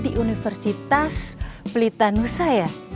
di universitas pelitanusa ya